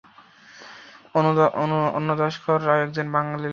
অন্নদাশঙ্কর রায় একজন বাঙালি লেখক।